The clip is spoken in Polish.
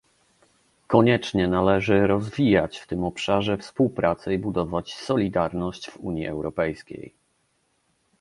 Koniecznie należy rozwijać w tym obszarze współpracę i budować solidarność w Unii Europejskiej